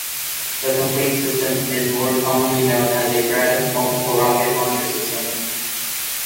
The complete system is more commonly known as a Grad multiple rocket launcher system.